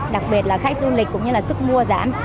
đặc biệt là khách du lịch cũng như là sức mua giảm